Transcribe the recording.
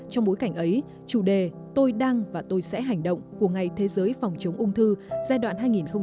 trong bối cảnh ấy chủ đề tôi đang và tôi sẽ hành động của ngày thế giới phòng chống ung thư giai đoạn hai nghìn một mươi sáu hai nghìn hai mươi